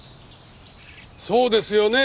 そうですよね？